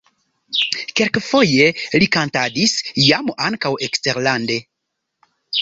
Kelkfoje li kantadis jam ankaŭ eksterlande.